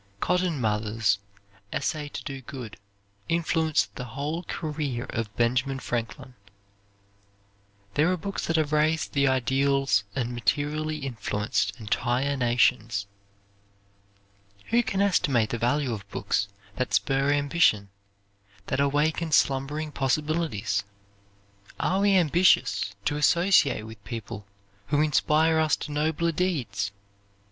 Cotton Mather's "Essay to Do Good" influenced the whole career of Benjamin Franklin. There are books that have raised the ideals and materially influenced entire nations. Who can estimate the value of books that spur ambition, that awaken slumbering possibilities? Are we ambitious to associate with people who inspire us to nobler deeds?